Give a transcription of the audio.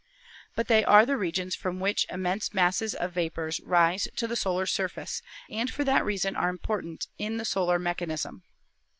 But they are the regions from which immense masses of vapors rise to io6 ASTRONOMY the solar surface and for that reason are important in the solar mechanism.